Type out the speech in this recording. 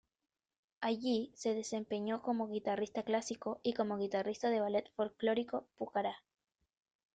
Allí se desempeñó como guitarrista clásico y como guitarrista del ballet folklórico Pucará.